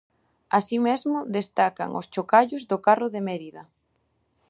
Así mesmo, destacan os chocallos do carro de Mérida.